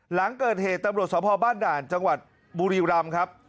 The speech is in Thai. หลังเกิดเหตุตำรวจสภบ้านด่านจังหวัดบุรีรำครับ